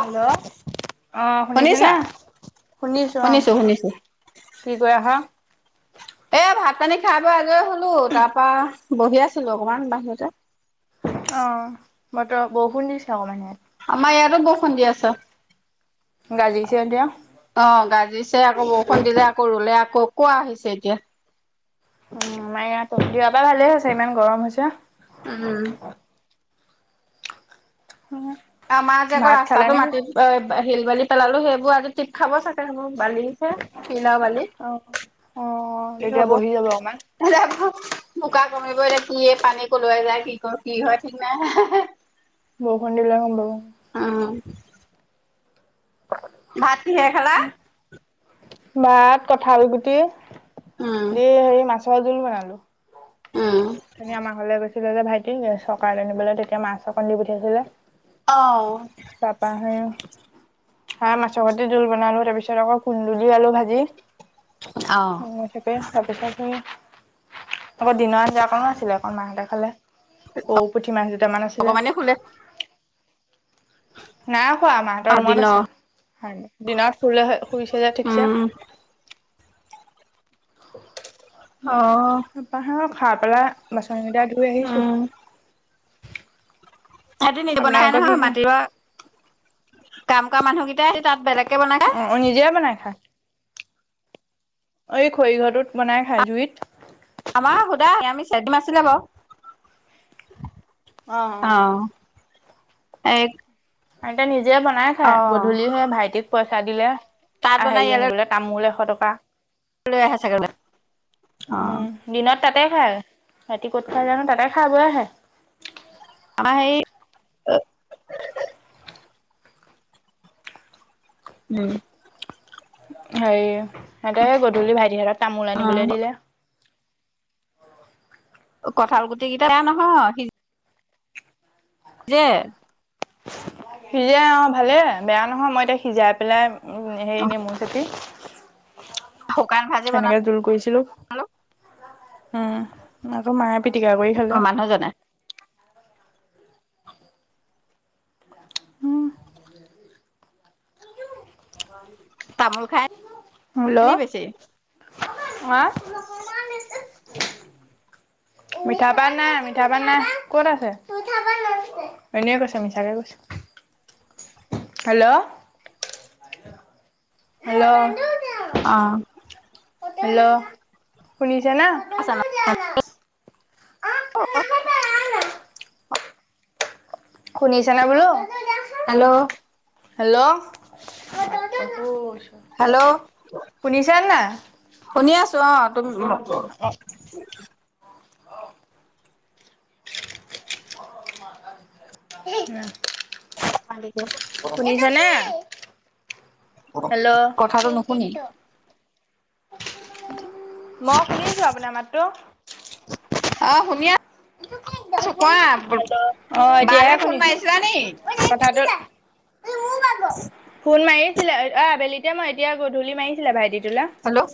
Hello, ' অ শুনিছে শুনিছা? নে? শুনিছো অ। কি কৰি আহা? এ ভাত পানী খাই বৈ আজৰি হলো তাৰ পৰা বহি আছিলো অকনমান বাহিৰতে অ বতৰ বৰষুণ দিছে অকমান ইয়াত আমাৰ ইয়াটো বৰষুণ দি আছে। গাজিছে এতিয়া। অ গাজিছে আকৌ বৰষুণ দিলে আকৌ ৰুলে আকৌ কোৱা আহিছে এতিয়া উ আমাৰ ইয়াত দিয়া পা ভালে হৈছে ইমান গৰম হৈছে। উম আমাৰ যে আকৌ ভাত খালা ৰাস্তাটো নে? মাটিৰ শিল বালি পেলালো সেইবোৰ আজি টিপ খাব চাগে সেইবোৰ বালিহে শীল আও বালি অ অ তেতিয়া বহি যাব অকমান যাব বোকা কমিব কি পানী কলুৱাই যায় কি কয় কি হয় ঠিক নাই হে হে বৰষুণ দিলে গম পাবা। উম ভাত কিহে খালা? ভাত কঠাল গুটি দি উম হেৰি মাছৰ জোল বনালো। উম ওথনি আমাৰ ঘৰলে গৈছিলে যে ভাইটি গেছ চৰকাৰ আনিবলে তেতিয়া মাছ অকন দি পঠিয়াইছিলে অ তাপা হে হা মাছৰ সতি জোল বনালো। তাৰ পিছত আকৌ কুন্দুলি, আলু ভাজি। অ। তাকে তাৰপিছত সেই আকৌ দিনৰ আঞ্জা অকণো আছিলে। অকণ মাহতে খালে। সৰু পুঠি মাছ দুটামান আছিলে। অকমানে শুলে নাই শুৱা, অ মাহঁতৰ ৰুমত দিনৰ আছে। দিনত শুলে শুইছে যে ঠিকছে। উম [inaudible] অ। তা পা সেই খাই পেলাই বাচনকেইটা ধুই আহিছো। উম সিহতি নিব নোৱাৰে আপোনালোকৰ কি নহয়। হয় মাটিৰ অ কাম কৰা মানুহ কি কিটাই হে তাত বেলেগকে বনাই খায়। অ অ', নিজে বনাই খায়। অই খৰিঘৰটোত বনাই খাই জুইত। আমাৰ সুদা [unintelligible] বাও। অ এক আইতাই নিজে বনাই খায়। গধূলি সে ভাইটিক পইচা দিলে তাত বনাই হেৰি ইয়ালৈ আনিবলে। তামোল এশ টকা। [unintelligible] অ। উম দিনত তাতে খায়। ৰাতি ক'ত খাই জানো? তাতে খাই বৈ আহে। আমাৰ হেই উম। হেৰি সিহঁতে গধূলি ভাইটিহঁতক তামোল আনিবলে অ দিলে। কঁঠাল গুটি কিটা বেয়া নহয়। সিজ যে সিজে অ ভালে, বেয়া নহয়। মই এতিয়া সিজাই পেলাই হেৰি নেমু চেপি শুকান ভাজি সেনেকে বনালো জোল কৰিছিলো। উম। আকৌ মায়ে পিটিকা কৰি খালে। মাজনে [unintelligible] উম। [unintelligible] তামোল খাই হেল্ল নি বেছি হা? [unintelligible] [inaudible] মিঠা পান নাই, মিঠা পান নাই। ক'ত আছে? এনেই কৈছে, মিছাকে কৈছে। [inaudible] হেল্ল হেল্ল অ। হেল্ল শুনিছেনে? [unintelligible] শুনিছেনে বোলো? হেল্ল হেল্ল [unintelligible] হেল্ল' শুনিছে নাই শুনি আছো। অ তুম অ। [inaudible] [unintelligible] [unintelligible] [unintelligible] নে হেল্ল' কথাটো নুশুনি [unintelligible] মই শুনিছো আপোনাৰ মাতটো। অ শুনি আ ছো কোৱা অ' বা লে এতিয়াহে ফোন শুনিছো। মাৰিছিলা নি? ই মো ভাগ, ফোন মাৰিছিলে অ আবেলিতে মই এতিয়া গধূলি মাৰিছিলে ভাইটি তোলে। হেল্ল'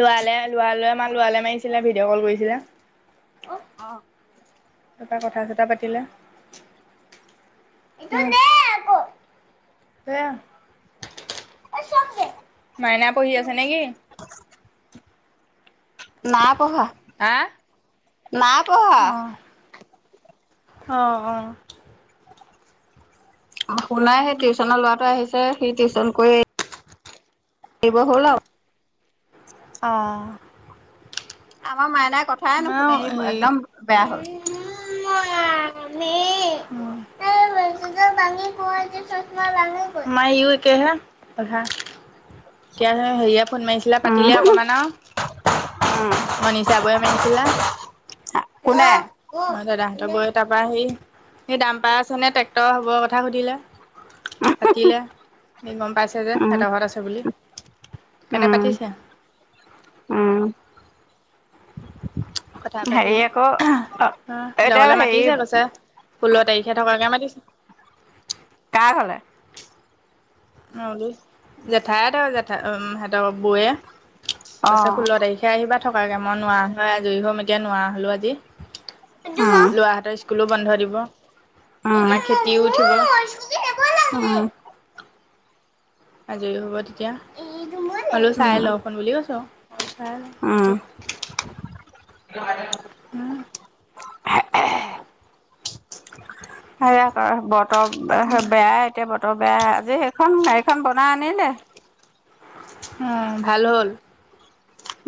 লো-আলে লো-আলে আমাৰ লো-আলে মাৰিছিলে ভিডিঅ' কল কৰিছিলে। অ তা পা কথা চতা পাতিলে। এটো নে আক সেয়া এ চব মো মাইনা পঢ়ি আছে নে কি? [unintelligible] না পঢ়া হা? না পঢ়া। অ অ শুনাই সেই টিউচনৰ ল'ৰাটো আহিছে সি টিউচন কৰি এৰিব হ'ল আও। অ। আমাৰ মাইনাই কথাই নুশুনে ই একদম বেয়া হ'ল। উম মা মী হা ভাঙি মো আজি চছমা ভাঙি গল আমাৰ ইও একেহে গাধা এতিয়া এ হেৰিয়ে ফোন মাৰিছিলে উম পাতিলে অকণমান আও। উম মনিষা বৌৱে মাৰিছিলে। হেল্ল' কোনে অ দাদাহঁতৰ বৌৱে তা পা আহি সেই দাম্পাৰ আছে নে ট্ৰেক্টৰ হবৰ কথা সুধিলে। পাতিলে সি গম পাইছে যে উম হেতৰ ঘৰত আছে বুলি হেকানে উম পাতিছে উম কথা পাতি হেৰি অ আকৌ সিহঁতৰ এতিয়া ঘৰলে হেৰি মাতিছে কৈছে। ষোল্ল তাৰিখে থকাকে মাতিছে। কা ঘলে? নলী জেঠাই হতৰ জেঠা উম সিহঁতৰ বৌয়ে অ কৈছে ষোল্ল তাৰিখ আহিবা থকাকে মই নোৱা হয় আজৰি হম এতিয়া নোৱা হলো আজি এইটো ল উম লৰাহত স্ক স্কুলো বন্ধ দিব উম আমাৰ খেতিও উঠিব। উম আজৰি হ'ব তেতিয়া এইটো মোলে হলো চাই উম লও চোন বুলি কৈছোঁ। অ চাই ল [unintelligible] উম সেয়া ক বতৰ হে বেয়াই এতিয়া বতৰ বেয়া আজি সেইখন গাড়ীখন বনাই আনিলে হা ভাল হ'ল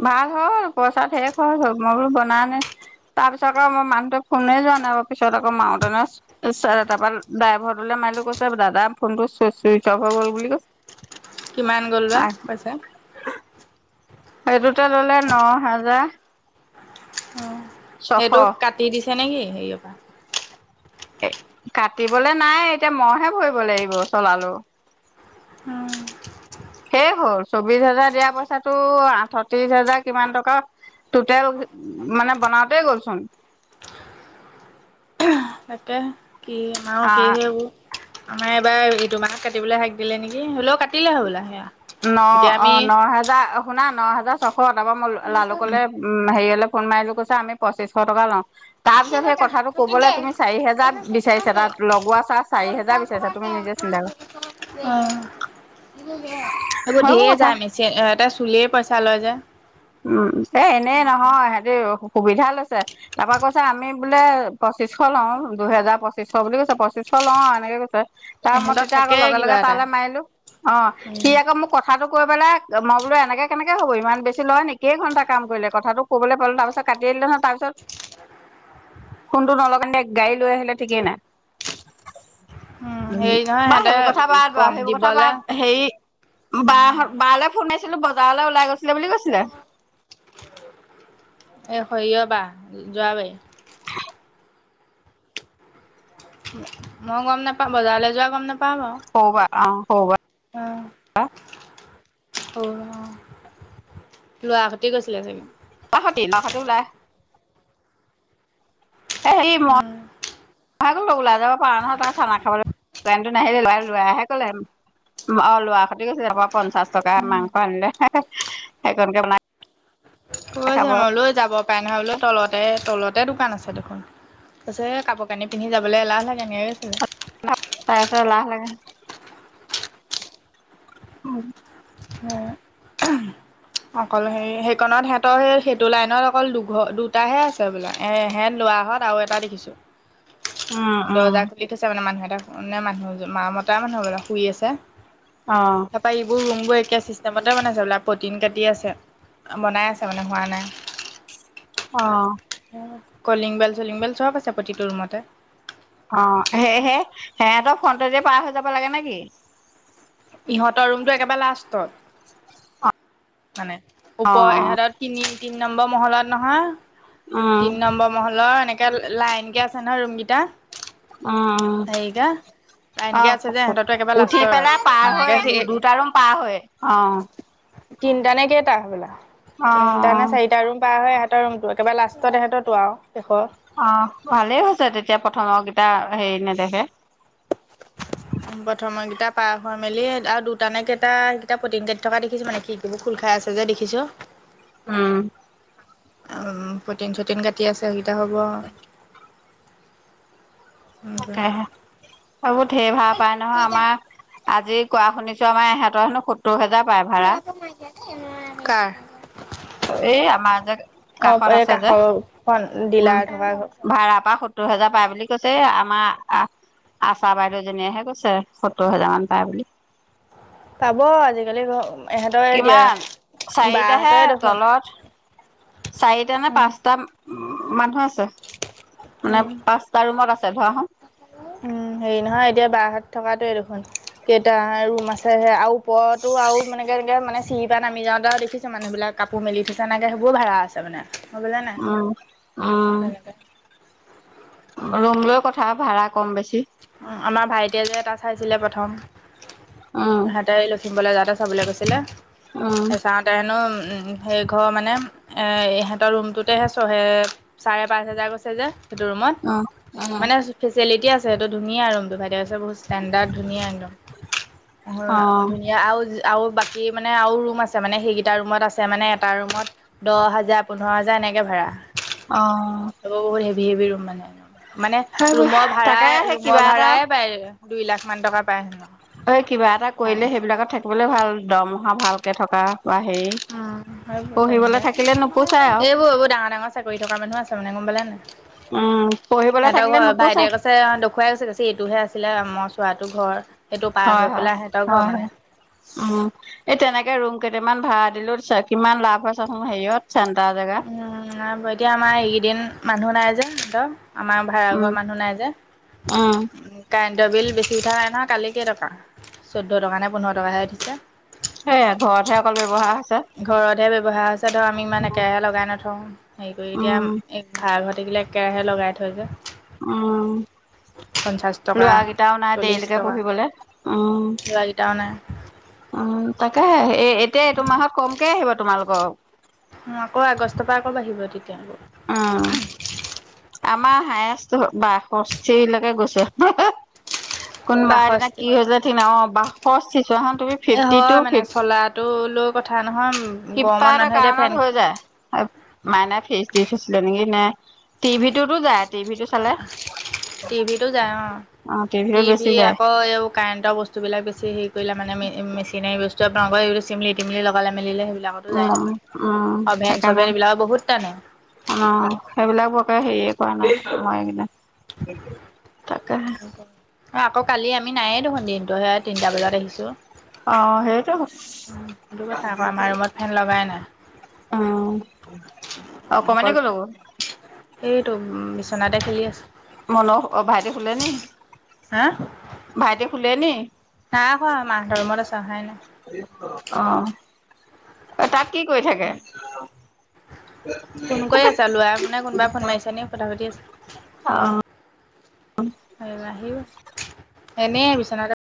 ভাল হল পইচা ধেৰ খৰছ হল মই বোলো বনালে। তাৰ পিছত আকৌ মই মানুহটোক ফোনেই যোৱা নাই আৰু পিছত আকৌ মাউটেনে এছে তাপা ড্ৰাইভাৰটোলে মাৰিলো কৈছে দাদা ফোনটো চুই চুইচ অফ হৈ গ'ল বুলি কৈছে। [inaudible] কিমান গ'ল বা পইছা? সেইটোতে ল'লে ন হাজা অ সেইটো কাটি দিছে নেকি হেৰিয় পা এ কাটিবলে নাই এতিয়া মইহে ভৰিব লাগিব চলালৌ। অ'। সেই হ'ল, চৌবিশ হাজাৰ দিয়া পইচাটো আঠত্ৰিশ হাজাৰ কিমান টকা টুতেল মানে বনাওঁতে গ'লচোন। তাকে, কি [unintelligible] আমাৰ অ কি সেইবোৰ আমাৰ এবাৰ ইটো মাহ কাটিবলৈ শাক দিলে নেকি, হ'লেও কাট ন অ ন হাজা শুনা ন হাজাৰ ছশ তাপা মই অ', লালুকলে উম হেৰিয়লে ফোন মাৰিলো কৈছা আমি পঁচিশ টকা লওঁ তাৰ পিছত সেই কথাটো কবলে তুমি চাৰি হেজাৰ বিচাৰিছে তাত লগোৱা চাৰ্জ চাৰি হেজাৰ বিচাৰিছে তুমি নিজে, চিন্তা কৰ অ এইবোৰ সৰু ঢেৰ কথা যায় মেচি সিহঁতে চুলেই পইচা লয় যে, উম এ এনেই নহয়, সিহতি সুবিধা লৈছে। তাৰ পৰা কৈছে আমি বোলে পঁচিশ লওঁ, দুহেজাৰ পঁচিশ বুলি কৈছে, পঁচিশ লওঁ আৰু এনেকে কৈছে। তাৰ মই ইহঁতৰ তেতিয়া আকৌ থাকে লগে কিবা লগে এটা। তালৈ মাৰিলো, অ সি আকৌ মোক কথাটো কৈ পেলাই, মই বোলো এনেকে কেনেকে হ'ব, ইমান বেছি নি [unintelligible] কেই ঘণ্টা কাম কৰিলে কথাটো ক'বলৈ পালো তাৰপিছত কাটিয়ে দিলে নহয় তাৰপিছত ফোনটো নলগা হেতেন গাড়ী লৈ আহিলে ঠিকেই নাই। উম হেৰি নহয় বাৰু সিহঁতে সেইবোৰ কথা বাদ বাৰু, কম সেইবোৰ কথা দিবলে বাদ, হেৰি বাহত বালে ফোন মাৰিছিলো, বজাৰলৈ ওলাই গৈছিলে বুলি কৈছিলে। এই সৰিয়হ বা, যোৱাবাৰী। মই গম নাপাওঁ, বজাৰলৈ যোৱা গম নাপাওঁ বাৰু। হবা [unintelligible] অ [unintelligible] হবা। অ'। অ', লৰাহতে গৈছিলে চাগে। তাষঁতি, নাকঁতে ওলাই [unintelligible] এ [unintelligible] উলাই যাব পাৰ নহয় তই চানা খাবলে। [unintelligible] নাহিলে, লোৱা [unintelligible] লোৱাহে ক'লে [unintelligible] অ লৰা সৈতে গৈছে, পঞ্চাশ টকা মাংস আনিলে, হে হে, সেইকনকে বনাই কৈ আছে খাব [unintelligible] বোলো যাব পাৰে নহয় বোলো, তলতে তলতে দোকান। কছে কাপোৰানি পিন্ধি যাবলৈ এলাহ লাগে, এনেকে কৈছে। তাৰপিছত এলাহ লাগে। [unintelligible] হ [unintelligible] [inaudible] অকল হেৰি, সেইকনত সিহতৰ স সেইটো লাইনত অকল দুঘ দুটাহে আছে বোলো, এহেত লৰাহত [unintelligible] আও এটা দেখিছো। উম উম দৰ্জা খুলি থৈছে মানে মানুহ এটা মানুহ মা, মতা মানুহ সবলা শুই আছে। অ'। [unintelligible] পাইবো ৰোমবো এ [unintelligible] কে চিষ্টেমতে বনাইছে বোলে, প্ৰটিন কাটি আছে, বনাই আছে মানে হোৱা নাই। অ। কলিং বেল-চলিং বেল চব আছে প্ৰতিটো ৰুমতে। অ', সেয়েহে সেহঁতৰ ফ্ৰনটদি যে পাৰ হৈ যাব লাগে নে কি? ইহঁতৰ ৰুমটো একেবাৰে লাষ্টত। মানে, অ ওপৱ ইহতৰ তিনি তিনি নম্বৰ মহলাত নহয় উম তিনি নম্বৰ মহলৰ এনেকে লাইনকে আছে নহয় ৰুমকেইটা। উম উম। [unintelligible] লাইনকে আছে অ' যে সিহঁতৰটো একেবাৰে উঠি লাষ্টৰ পেলাই পাৰ মানে হয়, সেই দু দুটা ৰুম পাৰ হয়, অ। তিনিটা নে কেইটা হবলা, অ তিনটা নে চাৰিটা ৰুম পাৰ হে এটা ৰুমটো, একেবাৰে লাষ্টত এহতো আৰু শেষ। অ' ভালেই হৈছে তেতিয়া প্ৰথমৰ কেইটা হেৰি নেদেখে। [inaudible] প্ৰথম কেইটা পাৰ হৈ মেলি আৰু দুটানে কেইটা সেইকেইটা পুতিং কাটি থকা দেখিছো মানে কি এইবোৰ খোল খাই আছে যে দেখিছো উম। প্ৰটিন-চটিন কাটি আছে সেইকেইতা হ'ব আও। তাকহে, এইবোৰ ঢেৰ ভাল পাই নহয়, হ'ব আমাৰ আজি কোৱা শুনিছো আমাৰ এহঁতৰ হেনো সত্তৰ হাজাৰ পায় ভাড়া। কাৰ? এই আমাৰ যে অ কাষত এই আছে কাষৰখন ডিলাৰ থকা ভাড়াৰ পৰা সত্তৰ হেজাৰ পাই বুলি কৈছে আমাৰ আহ আশা বাইদেউ জিনেহে কৈছে সত্তৰ হাজাৰ মান পায় বুলি। পাব আজিকালি ঘ কিমান চাৰিটাহে দেখোন। তলত চাৰিটা নে উম, পাঁচটা মানুহ আছে, মানে উম, পাঁচটা ৰুমত আছে ধৰাচোন উম হেৰি নহয় এতিয়া বাহত থকাটোৱে দেখোন কেইটা ৰুম আছে আও ওপৰতো আৰু মানকে এনেকে মানে চিৰী পৰা নামি যাওঁতে দেখিছোঁ মানুহবিলাক কাপোৰ মেলি থৈছে নাইদে সেইবোৰো ভাড়া আছে মানে। মই বুজা নাই উম উম সনেকে ৰুম লৈ কথা ভাড়া কম বেছি অ আমাৰ ভাইটিয়ে যে এটা চাইছিলে প্ৰথম উম হেতে ৰুমলৈ যাওঁতে চাবলৈ কৈছিলে, উম এ চাওঁত তেনো সেই ঘৰ মানে ইহঁতৰ ৰুমটোতেহে চহে চাৰে পাঁচ হাজাৰ কৈছে যে সেইটো ৰুমত, উম মানে ফেচিলিটি আছে সেইটো ধুনীয়া ৰুমটো ভাইটি বহুত ষ্টেণ্ডাৰদ ধুনীয়া একদম, উম ধুনীয়া আৰু আৰু বাকী মানে আৰু ৰুম আছে, মানে সেইকেইটা ৰুমত আছে মানে এটা ৰুমত দহ হাজাৰ, পোন্ধৰ হাজাৰ এনেকে ভাড়া অহ। বহুত হেভি হেভি ৰুম মানে, মানে সেইবোৰ ৰুমৰ তাকে ভাড়া- সেই কিবা এটা পাই দুই লাখ মান টকা পায় হেনো এই কিবা এটা কৰিলে সেইবিলাকত থাকিবলৈ ভাল দৰমহা ভালকে থকা বা হেৰি অ সেইবোৰ পঢ়িবলৈ তেনেকে, থাকিলে নোপোচাই এইবোৰ- আৰু এইবোৰ ডাঙৰ- ডাঙৰ। চাকৰি থকা মানুহ আছে মানে গম পালে নাই? উম পঢ়িবলৈ সিহতৰ থাকিলে ঘৰ নোপোচাই ভাইটিয়ে কৈছে দ খুৱাই গৈছে গেছে এইটোহে আছিলে মই চোৱাটো ঘৰ সেইটো পাৰ হৈ পেলাই সিহতৰ ঘৰ মানে। অ। এই তেনেকে ৰুম কেইটামান ভাড়া দিলেও চা কিমান লাভ হয় চাচোন হেৰিয়ত চেণ্টাৰ জেগাত উম, নাই বাৰু, এতিয়া আমাৰ এইকেইদিন মানুহ নাই যে সিহঁতৰ আমাৰ উম ভাড়াঘৰৰ মানুহ নাই যে উম কাৰেণ্টৰ বিল বেছি উঠা নাই নহয় কালি কেইটকা চৈধ্য টকা নে পোন্ধৰ টকাহে উঠিছে সেইয়া ঘৰতহে অকল ব্যৱহাৰ হৈছে ঘৰতহে ব্যৱহাৰ হৈছে ধৰক আমি ইমান একেৰাহে লগাই নথওঁ, হেৰি কৰি এতিয়া উম ভাড়া ঘৰ থাকিলে একেৰাহে লগাই থৈ যে উম, পঞ্চাছ টকা লোৱা কিটাও নাই চল্লিছ দেৰিলৈকে পঢ়িবলে, উম। টা নাই, উম তাকেহে, এই এতিয়া এইটো মাহত কমকে আহিব তোমালোকৰ আকৌ আগষ্টৰ পৰা আকৌ বাঢ়িব তেতিয়া আকৌ উম। আমাৰ হায়েষ্ট টো বাষষ্ঠিলৈকে গৈছে, হেহে। কোনোবা এদিনা বাষষ্ঠি কি হৈ যায় ঠিক নাই, অ বাষষ্ঠি চোৱাচোন তুমি এই ফিফটি টু হয় মানে ফিফ চলাটোলৈও কথা নহয় গৰমত কিবা এটা মানুহে এতিয়া ফেন কাৰণত হৈ যায়। মাইনাই ফ্ৰিজ দি থৈছিলে নেকি নে টিভিটোতো যায়। টিভিটো চালে আহ, টিভিটো যায় অঁ, অ টিভিটোত বেছি টিভি যায় আকৌ এই কাৰেণ্টৰ বস্তুবিলাক বেছি হেৰি কৰিলে মানে মেচিনেৰী বস্তু আপোনালোকৰ এইটো চিমলি তিমলি লগালে মেলিলে বিলাকতো যাই উম নহয়, উম অভেন সেইকাৰণে চভেন এইবিলাকো বহুত টানে অ, সেইবিলাক বৰকে হেৰিয়ে কৰা নাই মই কিনে তাকেহে, এ আকৌ কালি আমি নায়ে দেখোন দিনতো সেয়া তিনটা বজাত আহিছোঁ। অঁ সেইটোৱে হয়। সেইটো কথা আকৌ আমাৰ ৰুমত ফেন লগাই নাই। উম, অকণমানি ক'লে গ'ল? সেইটো উম বিচনাতে খেলি আছে। মনো অঁ ভাইটি শুলেনি? হা ভাইটি শুলেনি? নাই শুৱা। মাহঁতৰ ৰুমত আছে অহাই নাই। অঁহ এ তাত কি কৰি থাকে? ফোন কৰি আছে, ল'ৰা পোনাই কোনোবাই ফোন মাৰিছে নেকি, কথা পাতি আছে। সেই আহিব, এনেই বিচনাতে